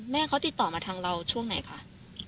เขาติดต่อมาทางเราช่วงไหนคะ